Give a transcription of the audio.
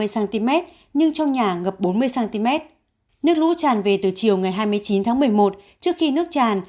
hai cm nhưng trong nhà ngập bốn mươi cm nước lũ tràn về từ chiều ngày hai mươi chín tháng một mươi một trước khi nước tràn